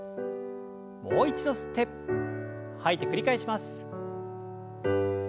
もう一度吸って吐いて繰り返します。